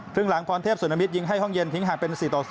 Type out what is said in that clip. หลังพรเทพสุนมิตรยิงให้ห้องเย็นทิ้งห่างเป็น๔ต่อ๐